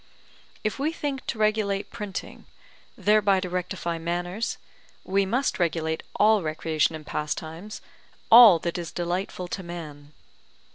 If we think to regulate printing, thereby to rectify manners, we must regulate all recreation and pastimes, all that is delightful to man.